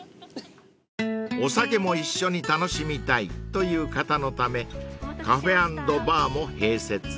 ［お酒も一緒に楽しみたいという方のためカフェ＆バーも併設］